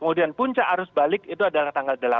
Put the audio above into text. kemudian puncak arus balik itu adalah tanggal delapan